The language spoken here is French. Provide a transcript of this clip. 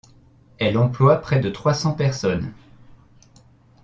Elle emploie près de trois cents personnes.